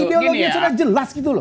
ideologinya sudah jelas gitu loh